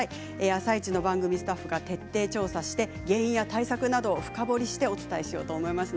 「あさイチ」の番組スタッフが徹底調査して原因や対策などを深掘りしてお伝えしようと思います。